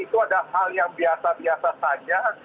itu ada hal yang biasa biasa saja